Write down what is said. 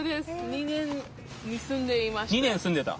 ２年住んでいました。